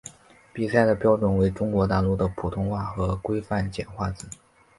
比赛的标准为中国大陆的普通话和规范简化字。